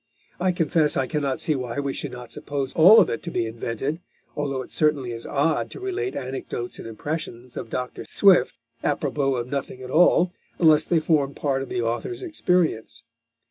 I confess I cannot see why we should not suppose all of it to be invented, although it certainly is odd to relate anecdotes and impressions of Dr. Swift, à propos of nothing at all, unless they formed part of the author's experience.